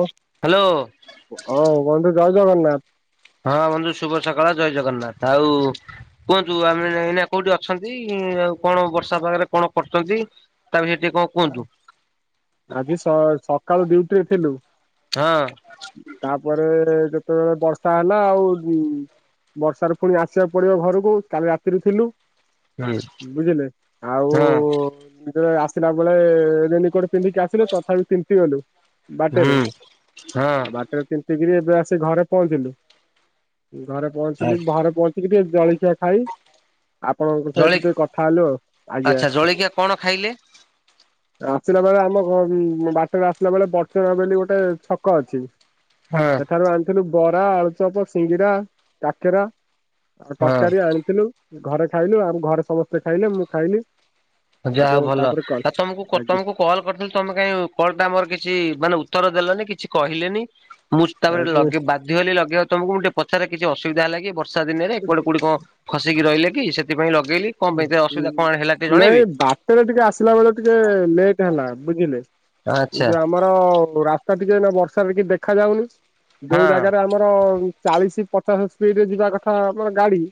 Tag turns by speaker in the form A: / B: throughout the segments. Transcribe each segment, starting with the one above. A: ହ
B: ହ୍ୟାଲୋ
A: ହଁ ବନ୍ଧୁ ଜୟ ଜଗନ୍ନାଥ।
B: ହଁ ବନ୍ଧୁ ଶୁଭ ସକାଳ ଜୟ ଜଗନ୍ନାଥ ଆଉ। କୁହନ୍ତୁ ଆମେ ଏଇନା କୋଉଠି ଅଛନ୍ତି ଆଉ କଣ ବର୍ଷା ପାଗରେ କଣ କରୁଛନ୍ତି। ତା ବେଲି ସେତିକ।
A: ଓ ହୋ ଆଜି ସ ସକାଳୁ ଡିଉଟିରେ ଥିଲୁ।
B: ହଁ।
A: ତାପରେ ଯେତେବେଳେ ବର୍ଷା ହେଲା ଆଉ ଉଁ। ବର୍ଷାରେ ଫୁଣି ଆସିବାକୁ ପଡିବ ଘରକୁ କାଲି ରାତିରୁ ଥିଲୁ।
B: ହୁଁ
A: ବୁଝିଲେ ଆଉ
B: ହଁ
A: ଯେତେବେଳେ ଆସିଲା ବେଳେ ରେନି କୋଟ୍। ପିନ୍ଧିକି ଆସିଲୁ ତଥାପି ତିନ୍ତି ଗଲୁ ବାଟରେ
B: ହୁଁ
A: ଆଉ ବା ବାଟେ ରେ ତିିନ୍ତି କରି ଏବେ ଆସି ଘରେ ପହଞ୍ଚିଲୁ ଘରେ
B: ହଁ
A: ପହଞ୍ଚିଲୁ ଘରେ ପହଞ୍ଚ୍ ଞ୍ଚି କି ଟିକେ ଜଳଖିଆ ଖାଇ ଆପଣଙ୍କ ସହିତ
B: ଜଳି
A: ଟିକେ କଥା ହେଲୁ ଆଉ ଆଜ୍ଞା।
B: ଆଚ୍ଛା ଜଳିକିଆ କଣ ଖାଇଲେ?
A: ଆସିଲା ବେଳେ ଆମ ଘ ବାଟରେ ଆସିଲା ବେଳେ ବଡଚଣା ବୋଲି ଗୋଟେ ଛକ ଅଛି।
B: ହଁ
A: ସେଠାରୁ ଆଣିଥିଲୁ ବରା ଆଳୁଚପ ସିଙ୍ଗିଡା କାକେରା। ଆଉ
B: ହଁ
A: ତରକାରୀ ଆଣିଥିଲୁ ଘରେ ଖାଇଲୁ ଆଉ ଘରେ ସମସ୍ତେ ଖାଇଲେ ମୁଁ ଖାଇଲି।
B: ଯା
A: ଆପଣ
B: ହଉ ଭଲ
A: ତାପରେ କଲ
B: ଆଉ ତମକୁ କ
A: ଆଜ୍ଞା
B: ତମକୁ। କଲ କରିଥିଲି ତମେ କାଇଁ କଲ ଟା ମୋର କିଛି ମାନେ ଉତ୍ତର ଦେଲନି କିଛି କହିଲେନି। ମୁଁ ତାପରେ
A: ଆଜ୍ଞା
B: ଲଗ ବାଧ୍ୟ ହେଲି ଲଗେଇବ ତମକୁ ମୁଁ ଟିକେ ପଚାର କିଛି ଅସୁବିଧା ହେଲାକି। ବର୍ଷା ଦିନରେ କୁଆଡେ କୋଉଠି କଁ ଖସିକି ରହିଲେ କି ସେଥିପାଇଁ ଲଗେଇଲି କଁ ପାଇଁ ସେ ଅସୁବିଧା କଣ ହେଲା ଟିକେ ଜଣେଇବେ।
A: ସେତେ ଟିକେ ଆସିଲା ବେଳେ ଟିକେ ଲେଟ୍ ହେଲା ବୁଝିଲେ ଏଇ
B: ଆଚ୍ଛା
A: ଯୋଉ ଆମ। ତ ରାସ୍ତା ଟିକେ ଏଇନା ବର୍ଷା ରେ କିଛି ଦେଖା ଯାଉନି ଯୋଉ
B: ହଁ
A: ଜାଗାରେ ଆ ଆମର ଚାଳିଶ ପଚାଶ ସ୍ପିଡରେ ଯିବା କଥା ଆମର ଗାଡି।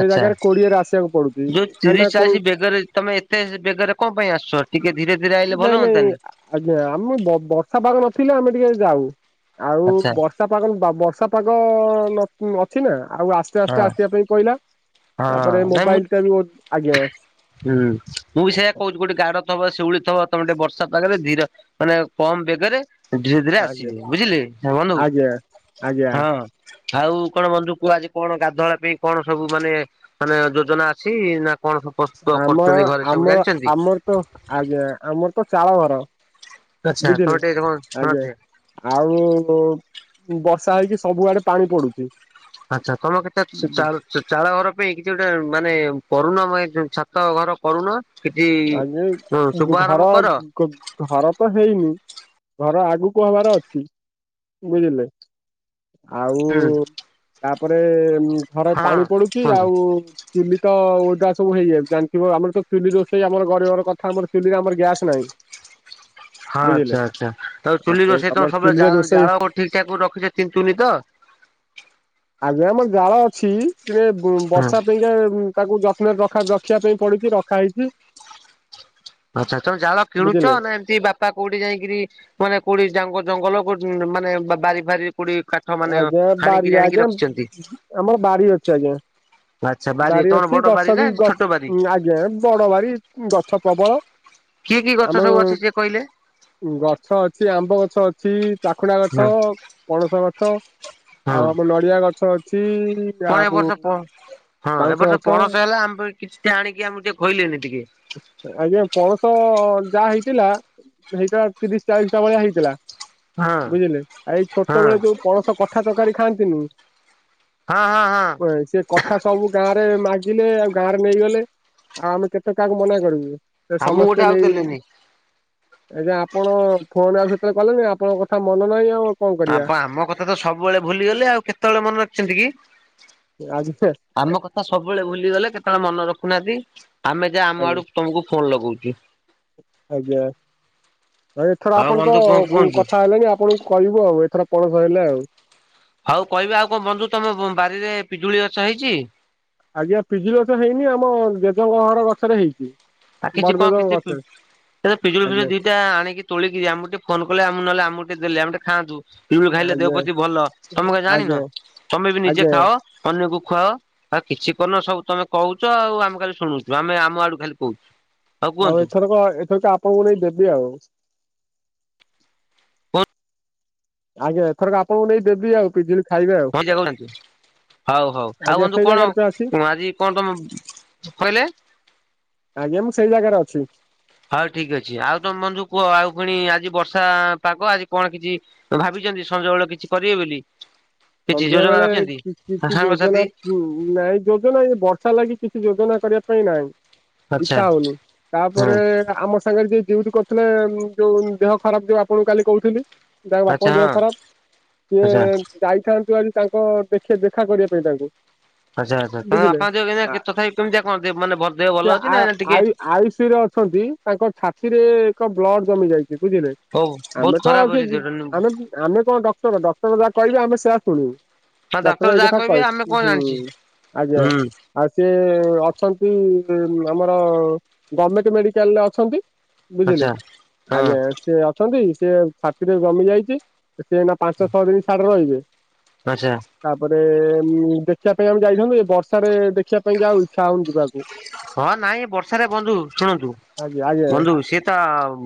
A: ସେଇ ଜାଗାରେ କୋଡିଏରେ ଆସିବାକୁ ପଡୁଛି।
B: ଯୋଉ ତିରିଶ
A: କାହିଁକିନା କୋଉ
B: ଚାଳିଶ ବେଗରେ ତମେ ଏତେ ବେଗରେ କଁ ପାଇଁ ଆସୁଛ ଟିକେ ଧୀରେ ଧୀରେ ଆ
A: ନାଇଁ ନାଇଁ ଆଜ୍ଞା ଆମ ବ ବର୍ଷା ପାଗ ନଥିଲେ ଆମେ ଟିକେ ଯାଉ ଆଉ
B: ଆଚ୍ଛା
A: ବର୍ଷ ବର୍ଷା ପାଗଲ ବର୍ଷା ପାଗ ନ ଅଛି ନା ଆଉ ଆସ୍ତେ ଆସ୍ତେ
B: ହଁ।
A: ଆସିବା ପାଇଁ ପିଇଲା। ତାପରେ
B: ହଁ ନାଇଁ ମୁଁ
A: ମୋବାଇଲ ଟା ବି ଆଜ୍ଞା।
B: ହୁଁ ମୁଁ ବି ସେୟଆ କହୁଛି କୋଉଠି ଗାଡ ଥିବ ସିଉଳି ଥିବ ତମେ ଟିକେ ବର୍ଷା ପାଗରେ ଧୀର। ମାନେ କମ ବେଗରେ ଧୀରେ ଧୀରେ
A: ଆଜ୍ଞା
B: ଆସିବେ ବୁଝିଲେ ବନ୍ଧୁ
A: ଆଜ୍ଞା ଆଜ୍ଞା
B: ହଁ। ଆଉ କଣ ବନ୍ଧୁ କୁହ ଆଜି କଣ ଗାଧୁଆ ବେଳ ପାଇଁ କଣ ସବୁ ମାନେ। ମାନେ ଯୋଜନା ଅଛି ନା କଣ ସବୁ ପ୍ରସ୍ତୁତ କରୁଛନ୍ତି ଘରେ ସବୁ ଜାଣିଛନ୍ତି।
A: ପ୍ର ଆଜ୍ଞା ଆମର ତ ଚାଳ ଘର
B: ଆଚ୍ଛା ତମେ
A: ବୁଝିଲେ
B: ଟିକେ କଣ
A: ଆଜ୍ଞା।
B: ଶୁଣନ୍ତି
A: ଆଉ ବର୍ଷା ହେଇକି ସବୁଆଡେ ପାଣି ପଡୁଛି।
B: ଆଛା ତମ କେତେ ଚାଳ ସେ ଚାଳ ଘର ପାଇଁ କିଛି ଗୋଟେ ମାନେ କରୁନ ମ ଏ ଛାତ ଘର କରୁନ। କିଛି ହଁ ଶୁଭ ଆରମ୍ଭ କର।
A: କ ଘର ତ ହେଇନି ଘର ଆଗକୁ ହବାର ଅଛି। ବୁଝିଲେ। ଆଉ
B: ହୁଁ
A: ତାପରେ ଘର
B: ହଁ
A: ପାଣି ପଡୁଛି
B: କୁହନ୍ତୁ।
A: ଆଉ। ଚୁଲି ତ ଓଦା ସବୁ ହେଇଯାଉଚି ଜାଣି ଥିବ ଆମର ତ ଚୁଲି ରୋଷ ସେଇ ଆମର ଗରିବ ଘର କଥା ଆମର ଚୁଲିରେ ଆମର ଗ୍ୟାସ୍ ନାହିଁ।
B: ହଁ
A: ବୁଝିଲେ
B: ଆଚ୍ଛା ଆଚ୍ଛା ତମର ଚୁଲି
A: ଆଉ
B: ରୋଷେଇ ତ
A: ଆମର
B: ସବୁବେଳେ
A: ଚୁଲିରେ
B: ଜାଳ
A: ରୋଷେଇ
B: ଜାର କୋଉଠି ଠିକ୍ ଠାକ୍ କରି ରଖିଛ ତିନ୍ତୁନି ତ।
A: ଆଜ୍ଞା ଆମର ଜାଳ ଅଛି ଟିକେ
B: ହଁ
A: ବର୍ଷା ପାଇଁକା ଏ ମ୍। ତାକୁ ଯତ୍ନରେ ରଖା ରଖିବା ପାଇଁ ପଡୁଛି ରଖା ହେଇଛି।
B: ଆଛା ତମେ ଜାଳ କିଣୁଛ
A: ବୁଝିଲେ
B: ନା ଏମ କି ବାପା କୋଉଠି ଯାଇଁ କିରି ମାନେ କୋଉଠି ଜାଙ୍ଗ ଜଙ୍ଗଲ କୋଉଠି ମାନେ ବା ବାରି ଫାରି। କୋଉଠି କାଠ ମାନେ
A: ଆଜ୍ଞା
B: ହାଣିକିରି
A: ବାରିରେ
B: ଆଣିକି
A: ଆଜ୍ଞା
B: ରଖିଛନ୍ତି।
A: ଆମର ବାରି ଅଛି ଆଜ୍ଞା
B: ଆଚ୍ଛା ବାରି ତମର ବଡ଼ ବାରି ନା ଏମିତି ଛୋଟ ବାରି?
A: ନା ବଡ଼ ବାରି ଗଛ ପ୍ରବଳ।
B: କି କି
A: ଆମ
B: ଗଛ ସବୁ ଅଛି ଟିକେ କହିଲେ।
A: ଗଛ ଅଛି ଆମ୍ବ ଗଛ ଅଛି ଚାଖୁଣ୍ଡା
B: ହଁ
A: ଗଛ ପଣସ ଗ ଛ
B: ହଁ
A: ଆଉ ଆମ ନଡ଼ିଆ ଗଛ ଅଛି।
B: କଣ ଏ
A: ଆଉ
B: ବର୍ଷ ପ ହଁ ଏ
A: ବାଉଁଶ
B: ବର୍ଷ
A: ଗଛ
B: ପଣସ ହେଲା ଆମ ପାଇଁ କିଛି ଟା ଆଣିକି ଆମକୁ ଟିକେ ଖୋଇଲେନି ଟିକେ।
A: ଆଜ୍ଞା ପଣସ ଯାହା ହେଇଥିଲା ହେଇଟା ତିରିଶ ଚାଳିଶ ଟା ଭଳିଆ ହେଇଥିଲା।
B: ହଁ
A: ବୁଝିଲେ ଆ ଏଇ
B: ହଁ
A: ଛୋଟ ବେଳେ ଯୋଉ ତ କଠା ତରକାରୀ ଖାଆନ୍ତିନି
B: ହଁ ହଁ ହଁ
A: [unintelligible] ସେ କଥା ସବୁ ଗାଁ ରେ ମାଗିଲେ ଆଉ ଗାଁ ରେ ନେଇଗଲେ ଆଉ ଆମେ କେତେ କାହାକୁ ମନା କରିବୁ। ସେ
B: ଆମକୁ ଗୋଟେ
A: ସମସ୍ତେ
B: ଆଉ
A: ନେଇଗଲେ।
B: ଦେଲେନି।
A: ଆଜ୍ଞା ଆପଣ ଫୋନ ଆଉ ସେତେବେଳେ କଲେନି ଆପଣଙ୍କ କଥା ମନ ନାହିଁ ଆଉ। କଣ କରିବା
B: ଆପ ଆମ କଥା ତ ସବୁବେଳେ ଭୁଲିଗଲେ ଆଉ କେତେବେଳେ ମନେ ରଖିଛନ୍ତି କି?
A: ଏ [unintelligible]
B: ଆମ କଥା ସବୁବେଳେ ଭୁଲିଗଲେ କେତେବେଳେ ମନ ରଖୁନାହାନ୍ତି ଆମେ ଯା ଆମ
A: ଆଜ୍ଞା
B: ଆଡ଼ୁ ତମକୁ ଫୋନ ଲଗଉଛୁ।
A: ଆଜ୍ଞା ଆଉ ଏଥର
B: ହଉ
A: ଆପଣ ତ
B: ବନ୍ଧୁ କଣ
A: କୁ
B: କୁହନ୍ତୁ?
A: କଥା ହେଲେଣିି ଆପଣଙ୍କୁ କହିବୁ ଆଉ ଏଥର ପଣସ ହେଲେ ଆଉ।
B: ହଉ କହିବେ ଆଉ କଣ ବନ୍ଧୁ ତମ ବ-ବାରିରେ ପିଜୁଳି ଗଛ ହେଇଛି?
A: ଆଜ୍ଞା ପିଜୁଳି ଗଛ ହେଇନି ଆମ ଜେଜଙ୍କ ଘର ଗଛରେ ହେଇଛି।
B: ଆ କିଛି
A: ବଡ଼
B: କଣ
A: ଜେଜେଙ୍କ
B: କିଛି ପି
A: ଗଛରେ
B: ତେବେ ପିଜୁଳି ଫିଜୁଳି
A: ଆଜ୍ଞା
B: ଦିଟା ଆଣିକି ତୋଳିକି ଆମକୁ ଟିକେ ଫୋନ୍ କଲେ ଆମୁ ନହେଲେ ଆମକୁ ଟିକେ ଦେଲେ ଆମେ ଟିକେ ଖାଆନ୍ତୁ। ପିଜୁଳି ଖାଇଲେ ଦେହ
A: ଆଜ୍ଞା
B: ପତି ଭଲ ତମେ କଁ
A: ଆଜ୍ଞା
B: ଜାଣିନ ତମେ ବି ନିଜେ
A: ଆଜ୍ଞା
B: ଖାଅ ଅନ୍ୟକୁ ଖୁଆଅ ଆଉ କିଛି କରୁନ ସବୁ ତମେ କହୁଛ ଆଉ ଆମେ ଖାଲି ଶୁଣୁଛୁ ଆମେ ଆମ ଆଡ଼ୁ ଖାଲି କହୁଛୁ। ଆଉ
A: ହଉ ଏଥରକ ଏଥର ତ ଆପଣଙ୍କୁ ନେଇ ଦେବି ଆଉ।
B: [unintelligible]
A: ଆଜ୍ଞା ଏଥରକ ଆପଣଙ୍କୁ ନେଇ ଦେବି ଆଉ ପିଜୁଳି ଖାଇବେ ଆଉ
B: [unintelligible] ହଉ ହଉ ଆଉ
A: ଆଜ୍ଞା
B: ବନ୍ଧୁ
A: ସେଇ
B: କଣ
A: ଜାଗାରେ ତ ଅଛି
B: ଆଜି କଣ ତମ କହିଲେ?
A: ଆଜ୍ଞା ମୁଁ ସେଇ ଜାଗାରେ ଅଛି।
B: ହଉ ଠିକ ଅଛି ଆଉ ତମେ ବନ୍ଧୁ କୁହ ଆଉ ପୁଣି ଆଜି ବର୍ଷା ପାଗ ଆଜି କଣ କିଛି ଭାବିଛନ୍ତି ସଞ୍ଜବେଳେ କିଛି କରିବେ ବୋଲି? କିଛି
A: ସନ୍ଧ୍ୟା
B: ଯୋଜନା
A: ବେଳେ
B: ରଖିଛନ୍ତି
A: କି-କିଛି ଯୋଜନା
B: ସାଙ୍ଗସାଥି
A: [unintelligible] ନାଇଁ ଯୋଜନା ଏଇ ବର୍ଷା ଲାଗି କିଛି ଯୋଜନା କରିବା ପାଇଁ ନାହିଁ।
B: ଆଚ୍ଛା
A: ଇଚ୍ଛା ହୋଉନି
B: ହଁ
A: ତାପରେ ଆମ ସାଙ୍ଗରେ ଯିଏ ଡିଉଟି କର୍ ଥିଲେ ଯୋଉ ଦେହ ଖରାପ ଯୋଉ ଆପଣଙ୍କୁ କାଲି କହୁଥିଲି। ତାଙ୍କ
B: ଆଚ୍ଛା
A: ବାପାଙ୍କ
B: ହଁ
A: ଦେହ ଖରାପ ସିଏ
B: ଆଚ୍ଛା
A: ଯାଇଥାନ୍ତୁ ଆଜି ତାଙ୍କ ଦେଖେ ଦେଖା କରିବା ପାଇଁ ତାଙ୍କୁ।
B: ଆଚ୍ଛା ଆଚ୍ଛା ତାଙ୍କ
A: ବୁଝିଲେ।
B: ବାପାଙ୍କ ଦେହ କେନ୍ତିଆ
A: ଆ
B: କେତ ଖାଲି କେମିତିଆ କଣ [unintelligible] ମାନେ ଭ ଦେହ ଭଲ ଅଛି ନା [unintelligible] ଟିକେ
A: ଆଇଶୁ ଅ ଛନ୍ତି ତାଙ୍କ ଛାତିରେ ଏକ ବ୍ଲଡ ଜମି ଯାଇଛି ବୁଝିଲେ?
B: ହଉ ବହୁତ
A: ଆମେ ତ
B: ଖରାପ
A: ସେ
B: ଅଛି ଦେହଟା
A: ଆମେ
B: ନା
A: ଆମେ କଣ ଡକ୍ଟର ଡକ୍ଟର ଯାହା କହିବେ ଆମେ ସେଆ ଶୁଣିବୁ।
B: ଡାକ୍ତର
A: ଡକ୍ଟର ଏଇ
B: ଯାହା
A: କଥା
B: କହିବେ ଆମେ
A: କହି
B: କଣ
A: ହୁଁ
B: ଜାଣିଛେ
A: ଆଜ୍ଞା।
B: ହୁଁ
A: ଆଉ ସିଏ ଅଛନ୍ତି ଆମର ଗମେଣ୍ଟ ମେଡ଼ିକାଲରେ ଅଛନ୍ତି। ବୁଝିଲେ,
B: ଆଚ୍ଛା ହଁ
A: ଆଜ୍ଞା ସେ ଅଛନ୍ତି ସିଏ ଛାତିରେ ଜମି ଯାଇଚି। ସେ ଏଇନା ପାଞ୍ଚ ଛଅ ଦିନ ସେଆଡ଼େ ରହିବେ।
B: ଆଚ୍ଛା।
A: ତାପରେ ମୁଁ ଦେଖିବା ପାଇଁ ଆମେ ଯାଇଥାନ୍ତୁ ଏ ବର୍ଷାରେ ଦେ
B: ହଁ ନାଇଁ ବର୍ଷାରେ ବନ୍ଧୁ ଶୁଣନ୍ତୁ,
A: ଆଜ୍ଞା ଆଜ୍ଞା
B: ବନ୍ଧୁ ସିଏ ତ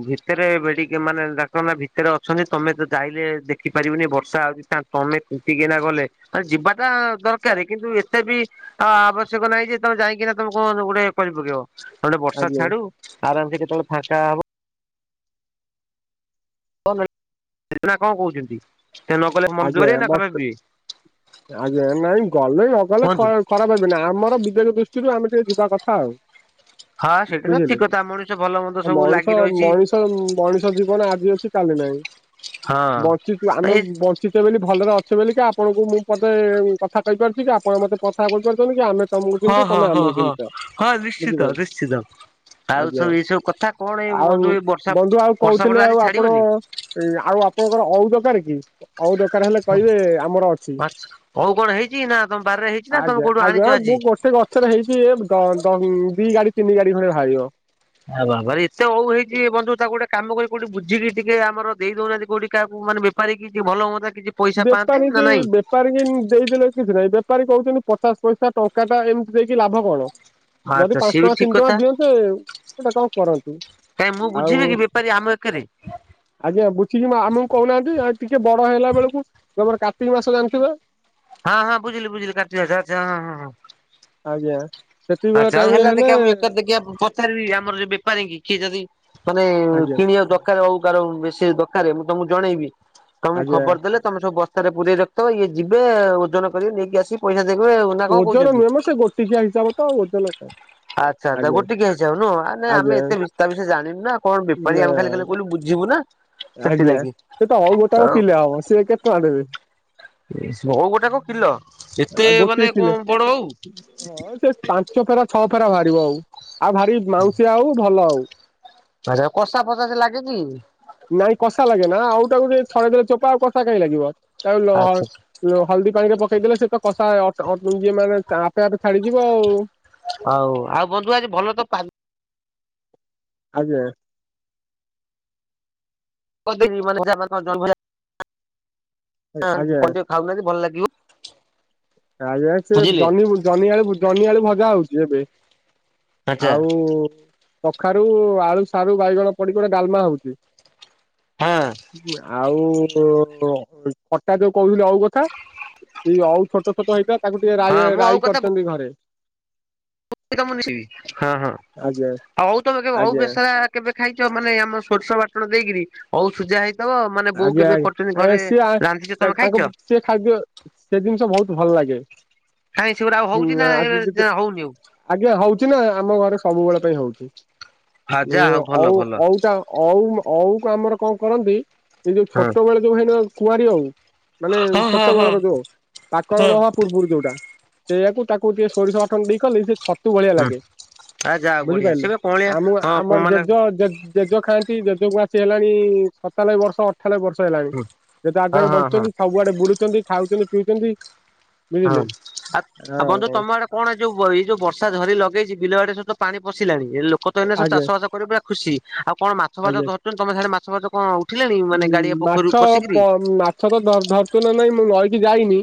B: ଭିତରେ ଏବେ ଟିକେ ମାନେ ଡାକନ୍ତା ଭିତରେ ଅଛନ୍ତି ତମେ ତ ଯାଇଲେ ଦେଖିପାରିବନି ବର୍ଷା ହଉଛି ତା ତମେ ତିନ୍ତିକିନା ଗଲେ ଆଁ ଯିବାଟା ଦରକାର କିନ୍ତୁ ଏତେ ବି ଅ ଆବ ଶ୍ୟକ ନାଇଁ ଯେ ତମେ ଯାଇଁକିନା ତମ କଣ ତ ଗୋଟେ କରି ପକେଇିବ, ନହଲେ ବର୍ଷା
A: ଆଜ୍ଞା
B: ଛାଡୁ ଆରାମସେ କେତେବେଳେ ଫାଙ୍କା ହବ। [unintelligible] ନା କଣ କହୁଛନ୍ତି? ସେ ନଗଲେ ମନ
A: ଆଜ୍ଞା
B: ଜୋରିବେ
A: ଏ
B: ନା ଖରାପ
A: ବର୍ଷେ,
B: ଭାବିବେ
A: ଆଜ୍ଞା ଏ ନାଇଁ ଗଲେ ନଗଲେ
B: କୁହନ୍ତୁ
A: ଖରା ଖରାପ ଭାବିବେନି ଆମର ବିବେକ ଦୃଷ୍ଟିରୁ ଆମେ ଟିକେ ଯିବା କଥା ଆଉ।
B: ହଁ ସେଇଟା ତ ଠିକ
A: ବୁଝିଲେ,
B: କଥା ମଣିଷ ଭଲ ମନ୍ଦ ସବୁ ଲାଗି
A: ମଣିଷ,
B: ରହିଛି
A: ମଣିଷ, ମଣି ଷ ଜୀବନ ଆଜି ଅଛି କାଲି ନାହିଁ,
B: ହଁ
A: ବଞ୍ଚିଛୁ
B: ଏ
A: ଆମେ ବଞ୍ଚିଛେ ବୋଲି ଭଲରେ ଅଛେ ବୋଲି କା ଆପଣଙ୍କୁ ମୁଁ ପଦେ ଉଁ କଥା କହିପାରୁଛି କି ଆପଣ ମୋତେ କଥା କହିପାରୁଛନ୍ତି କି ଆମେ ତମକୁ
B: ହଁ
A: ଚିହ୍ନିଛୁ
B: ହଁ
A: ତମେ
B: ହଁ
A: ଆମକୁ
B: ହଁ
A: ଚିହ୍ନିଛ,
B: ହଁ ନିଶ୍ଚିତ
A: ବୁଝିପାଇଲ୍।
B: ନିଶ୍ଚିତ। ଆଉ
A: ଆଜ୍ଞା,
B: ସବୁ ଏଇ ସବୁ କଥା କଣ ଏଇ
A: ଆଉ
B: ବନ୍ଧୁ ଏଇ ବର୍ଷା
A: ବନ୍ଧୁ ଆଉ
B: ବର୍ଷା ଫର୍ଷା
A: କହୁଥିଲେ
B: ଆଜି
A: ଆଉ ଆପଣ
B: ଛାଡିବନି?
A: ଏଇ ଆଉ ଆପଣଙ୍କର ଅଉ ଦରକାର କି? ଅଉ ଦରକାର ହେଲେ କହିବେ ଆମର ଅଛି,
B: ଆଛା ଓଉ କଣ ହେଇଛି ନା ତମ ବାରିରେ ହେଇଛି ନା ତମେ
A: ଆଜ୍ଞା,
B: କୋଉଠୁ
A: ଆଜ୍ଞା,
B: ଆଣିଛ
A: ହଁ
B: ଆଜି?
A: ମୁ ପ ଏତେ ଗଛରେ ହେଇଛି ଏ ଦ, ଦଙ୍ଗ୍, ଦି ଗାଡ଼ି ତିନି ଗାଡ଼ି ଖଣ୍ଡେ ବାହାରିବ।
B: ଏ ବାବାରେ ଏତେ ଅଉ ହେଇଛି ବନ୍ଧୁ ତାକୁ ଗୋଟେ କାମ କରି କୋଉଠି ବୁଝିକି ଟିକେ ଆମର ଦେଇ ଦଉନାହାନ୍ତି କୋଉଠି କାହାକୁ ମାନେ ବେ ପାରିକି ଟିକେ ଭଲ ହୁଅନ୍ତା କିଛି ପଇସା ପାଆନ୍ତେ
A: ବେପାରୀ
B: ନା
A: କି
B: ନାଇଁ?
A: ବେପାରୀ କି ଇନ୍ ଦେଇଦେଲେ କିଛି ନାହିଁ ବେପାରୀ କହୁଛନ୍ତି ପଚାଶ ପଇସା ଟଙ୍କାଟା ଏମ୍ ଦେଇକି ଲାଭ କଣ,
B: ଆଚ୍ଛା
A: ଯଦି
B: ସିଏ ବି
A: ପାନ୍ସ୍ଟଙ୍କା
B: ଠିକ
A: ତିନିଟଙ୍କା
B: କଥା
A: ଦିଅନ୍ତେ ସେଟା କଣ କରନ୍ତି।
B: କାଇଁ ମୁଁ ବୁଝିବି କି ବେପାରୀ ଆମ ଏକରେ?
A: ଆଜ୍ଞା ବୁଝିକି ମା ଆମକୁ କହୁନାହାନ୍ତି ଆଁ ଟିକେ ବଡ଼ ହେଲା ବେଳକୁ, ଯୋଉ ଆମର କାର୍ତିକ ମାସ ଜାଣିଥିବେ?
B: ହଁ ହଁ ବୁଝିଲି ବୁଝିଲି କାର୍ତ୍ତିକ ମାସ ଆଚ୍ଛା ହଁ, ହଁ, ହଁ।
A: ଆଜ୍ଞା। ସେତିକି
B: ଆ
A: ବେଳ
B: ଯାଉ
A: ଟାଇମରେ
B: ହେଲା
A: ହେଲେ
B: ଦେଖିଆ ମୁଁ ଏକରେ ଦେଖିଆ ପ ଚାରିବି ଆମର ଯେ ବେପାରୀଙ୍କି କିଏ ଯଦି ମାନେ
A: ଆଜ୍ଞା
B: କିଣିଯାଉଚ। ଦରକାର ଅଉ କାହାର ଅଉ ବେଶୀ ଦରକାରେ ମୁଁ ତମକୁ ଜଣେଇବି, ତମକୁ
A: ଆଜ୍ଞା
B: ଖବର ଦେଲେ ତମେ ସବୁ ବସ୍ତାରେ ପୁରେଇ ରଖିଥବ ଇଏ ଯିବେ ଓଜନ କରିବେ ନେଇକି ଆସିକି ପଇସା ଦେବେ ଆଉ, ନା କଣ
A: ଓଜନ
B: କହୁଛନ୍ତି?
A: ନୁହେଁ ମ ସେ ଗୋଟିକିଆ ହିସାବ ତ ଆଉ ଓଜ [unintelligible]
B: ଆଚ୍ଛା, ଆଚ୍ଛା, ଗୋଟିକିଆ ହିସାବ ନୁହଁ, ନାଇଁ
A: ଆଜ୍ଞା
B: ଆମେ ଏତେ ବିଷ୍ ତା ବିଷୟରେ ଜାଣିନୁ ନା କଣ
A: ନା
B: ବେପାରୀ ଆମେ ଖାଲି ଖାଲି କହିଲୁ ବୁଝିବୁ ନା?
A: ଆଜ୍ଞା,
B: ସେଥିଲାଗି
A: ସେତ ଅଉ ଗୋଟାକ କିଲେ ହବ ସିଏ କେତେ ଟଙ୍କା ଦେବେ?
B: ସେ ଅଉ ଗୋଟାକ କିଲ, ଏତେ
A: ଆଉ ଗୋଟିଏ
B: ମାନେ
A: କିଲେ
B: କଣ ବଡ ଅଉ?
A: ହଁ ସେ ପାଞ୍ଚ ଫେରା ଛଅ ଫେରା ବାହାରିବ ଅଉ ଆଉ ଭାରି ମାଉଁସିଆ ଅଉ ଭଲ ଅଉ।
B: ଆଚ୍ଛା କଷା ଫସା ସେ ଲାଗେ କି?
A: ନାଇଁ କଷା ଲାଗେନା, ଅଉଟାକୁ ଯଦି ଛଡେଇଦେଲେ ଚୋପା ଆଉ କଷା କାଇଁ ଲାଗିବ, ତାକୁ ଲ
B: ଆଚ୍ଛା
A: ଲୋ ହଳଦୀ ପାଣିରେ ପକେଇଦେଲେ ସେ ତ କଷା ଅଟ୍, ଅଟୋ, ଇଏ ମାନେ ତା ଆପେ ଆପେ ଛାଡିଯିବ ଆଉ।
B: ହଉ, ଆଉ ବନ୍ଧୁ ଆଜି ଭଲ ତ ପା
A: ଆଜ୍ଞା।
B: [unintelligible]
A: ଆଜ୍ଞା
B: ଖାଉନାହାନ୍ତି ଭଲ ଲାଗିବ।
A: ଆଜ୍ଞା ସେ
B: ବୁଝିଲେ
A: ଜହ୍ନି ଜହ୍ନିଆଳୁ ଜହ୍ନିଆଳୁ ଭଜା ହଉଛି ଏବେ।
B: ଆଚ୍ଛା
A: ଆଉ କଖାରୁ, ଆଳୁ, ସାରୁ, ବାଇଗଣ ପଡିି ଗୋଟେ ଡାଲମା ହଉଛି।
B: ହଁ।
A: ଆଉ ଖଟା ଯୋଉ କହୁଥିଲୁ ଓଉ କଥା ସେଇ ଓଉ ଛୋଟ ଛୋଟ ହେଇଥିଲା ତାକୁ ଟିକେ
B: ହଁ
A: ରାଇ
B: ମୁଁ ଆଉ
A: ରାଇ କରିଛନ୍ତି ଘରେ।
B: ହ ହ।
A: ଆଜ୍ଞା ଆଜ୍ଞା
B: କେବେ ଖାଇଛ ମାନେ ଆମ ସୋରିଷ ବାଟଣ ଦେଇକିରି ଓଉ ସିଜା ହେଇଥିବ। ମାନେ ବୋଉ
A: ଆଜ୍ଞା
B: କେବେ କରୁଛନ୍ତି
A: ଆଜ୍ଞା ଏ
B: ଘରେ
A: ସିଏ
B: ରାନ୍ଧିଛ ତମେ
A: ତାଙ୍କୁ
B: ଖାଇଛ?
A: ସେ ଖାଦ୍ୟ ସେ ଜିନିଷ ବହୁତ ଭଲ ଲାଗେ।
B: କାଇଁ ସେଗୁରା ଆଉ ହଉଛି ନା ଏବେ ହଉନି ଆଉ।
A: ଆଜ୍ଞା ହଉଛି ନା ଆମ ଘରେ ସବୁବେଳ ପାଇଁ ହଉଛି
B: ହଁ ଯା ହଉ ଭଲ
A: ଓଉ
B: ଭଲ
A: ଓଉଟା ଓଉ ଓଉ କୁ ଆମର କଣ କରନ୍ତି ଏଇ ଯୋଉ
B: ହଁ
A: ଛୋଟ ବେଳେ ଯୋଉ ହୁଏନି ନା କୁଆରୀ ଓଉ। ମାନେ
B: ହଁ ହଁ
A: ଛୋଟ
B: ହଁ
A: ବେଳର ଯୋଉ ଓଉ ପାକଳ
B: ହଁ।
A: ରହ ପୂର୍ବରୁ ଯୋଉଟା ସେଇୟା କୁ ତାକୁ ଟିକେ ସୋରିଷ ବାଟଣ ଦେଇ କଲେ ସେ ଛତୁ ଭଳିଆ
B: ହୁଁ
A: ଲାଗେ
B: ଆ ଯା ବଢିଆ
A: ବୁଝିପାରିଲେ
B: ସେବେ କଅଁଳିଆ
A: ଆମ
B: ହଁ
A: ଆମ
B: ମାନେ
A: ଜେଜ ଜେ ଜେଜ ଖାଆନ୍ତି ଜେଜକୁ ଆସି ହେଲାଣି ସତାଲବେ ବର୍ଷ ସତାଲବେ ବର୍ଷ ହେଲାଣି
B: ହଁ
A: ଯେତେ
B: ହଁ
A: ଆଗେ
B: ହଁ।
A: ବଞ୍ଚୁଛନ୍ତି ସବୁଆଡେ ବୁଲୁଛନ୍ତି ଖାଉଛନ୍ତି ପିଉଛନ୍ତି।
B: ହଁ
A: ବୁଝିଲେ ହଁ
B: ଆ ବନ୍ଧୁ ତମ ଆଡେ କଣ ଯୋଉ ଏଇ ଯୋଉ ବର୍ଷା ଝରି ଲଗେଇଛି ବିଲ ଆଡେ ସବୁ ତ ପାଣି ପଶିଲାଣି ଏ ଲୋ ଲୋକ ମାନେ ସବୁ
A: ଆଜ୍ଞା
B: ଚାଷବାସ କରିକି ପୁରା ଖୁସି ଆଉ କଣ ମାଛ ଫାଛ
A: ଆଜ୍ଞା।
B: ଧରୁଛନ୍ତି ତମ ସିଆଡେ ମାଛ ଫାଛ କଣ? ଉଠିଲାଣି ମାନେ
A: ଉଁ
B: ଗାଡିଆ ପୋଖରୀରୁ
A: ମାଛ
B: ପଶିକିରି
A: ପ ମାଛ ତ ଧ ଧରୁଛନ୍ତି ନା ନାଇଁ ମୁଁ ନଈକି ଯାଇନି।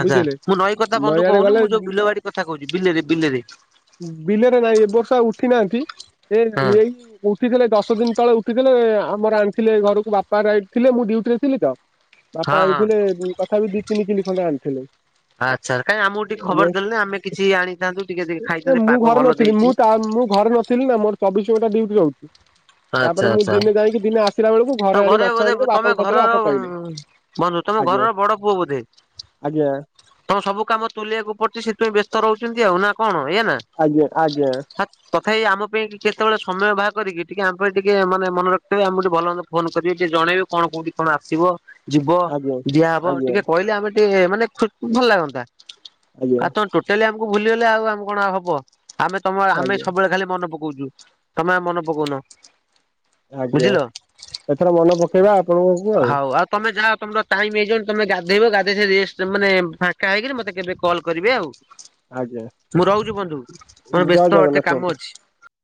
B: ଆଚ୍ଛା
A: ବୁଝିଲେ
B: ମୁଁ ନଈ କଥା ବନ୍ଧୁ
A: ନଈଆଡେ
B: କହୁନି
A: ଗଲେ
B: ମୁଁ ଯୋଉ ବିଲବାଡି କଥା କହୁଛି ବିଲରେ ବିଲରେ।
A: ବିଲରେ ନାହିଁ ଏ ବର୍ଷା ଉଠି ନାହାନ୍ତି ଏ
B: ହଁ
A: ଏଇ ଉଠିଥିଲେ ଦଶ ଦିନ ତଳେ ଉଠିଥିଲେ ଆମର ଆଣିଥିଲେ ଘରକୁ ବାପା ଯାଇଥିଲେ ମୁଁ ଡ୍ୟୁଟି ରେ ଥିଲି ତ। ବାପା
B: ହଁ ହଁ।
A: ଆଣିଥିଲେ ତଥାପି ଦି ତିନି କିଲି ଖଣ୍ଡେ ଆଣିଥିଲେ।
B: ଆଚ୍ଛା କାଇଁ ଆମକୁ ଟିକେ ଖବର ଦେଲନି ଆମେ କିଛି ଆଣିଥାନ୍ତୁ ଟିକେ ଟିକେ
A: ଏ
B: ଖାଇଥାନ୍ତେ
A: ମୁଁ
B: ପାଗ
A: ଘରେ
B: ଭଲ
A: ନଥିଲି ମୁଁ
B: ଦେଇଛି।
A: ତା ମୁଁ ଘରେ ନଥିଲି ନା ମୋର ଚବିଶ ଘଣ୍ଟା ଡିଉଟି ରହୁଛି
B: ଆଚ୍ଛା
A: ତାପରେ ମୁଁ
B: ଆଚ୍ଛା
A: ଦିନେ ଯାଇକି ଦିନେ ଆସି ଆସିଲା ବେଳକୁ ଘରେ
B: ତମ
A: ଆଣି ମାଛ
B: ବୋଧେ
A: ଆଣିଲେ
B: ତମେ
A: ବାପାଙ୍କୁ ପଚାରି ଲେ
B: ଘରର
A: ବାପା କହିଲେ।
B: ବନ୍ଧୁ ତମ ଘରର ବଡ ପୁଅ ବୋଧେ
A: ଆଜ୍ଞା।
B: ତମ ସବୁ କାମ ତୁଲେଇବାକୁ ପଡୁଛି ସେଥିପାଇଁ ବ୍ୟସ୍ତ ରହୁଛନ୍ତି ଆଉ ନା କଣ
A: ଆଜ୍ଞା ଆଜ୍ଞା
B: ଏୟାନା ତଥାପି ଆମ ପାଇଁ କେତେବେଳେ ସମୟ ବାହାର କରିକି। ଟିକେ ଆମ ପାଇଁ ଟିକେ ମାନେ ମନେ ରଖିଥିବେ ଆମେ ଟିକେ ଭଲ ମନ୍ଦ ଫୋନ କରିବେ ଟିକେ ଜଣେଇବେ କଣ କଉଠି କଣ ଆସିବ? ଯିବ
A: ଆଜ୍ଞା।
B: ଦିଆହବ
A: ଆଜ୍ଞା
B: ଟିକେ କହିଲେ ଆମେ ଟିକେ ମାନେ ଭଲ ଲାଗନ୍ତା।
A: ଆଜ୍ଞା
B: ଆ ତମ ଟୋଟାଲି ଆମକୁ ଭୁଲିଗଲେ ଆଉ ଆମ କଣ ଆ ହବ। ଆମେ ତମ ଆମେ
A: ଆଜ୍ଞା
B: ସବୁବେଳେ ଖାଲି ମନେ ପକଉଛୁ ତମେ ଆଉ ମନେ ପକଉନ।
A: ଆଜ୍ଞା
B: ବୁଝିଲ
A: ଏଥର ମନେ ପକେଇବା ଆପଣଙ୍କୁ ଆଉ
B: ହଉ ଆ ତମେ ଯାଅ ତମର ଟାଇମ୍ ହେଇଯିବନି ତୁମେ ଗାଧୋଇବ ଗାଧେଇସାରି ରେଷ୍ଟ ମାନେ ଫାଙ୍କା ହେଇକି ମୋତେ କେବେ କଲ୍ କରିବେ ଆଉ।
A: ଆଜ୍ଞା
B: ମୁଁ ରହୁଛି ବନ୍ଧୁ ମୋର
A: ଜୟ
B: ବ୍ୟସ୍ତ ଅଛି
A: ଜଗନ୍ନାଥ ବନ୍ଧୁ।
B: କାମ ଅଛି।